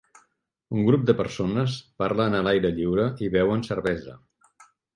Un grup de persones parlen a l'aire lliure i beuen cervesa.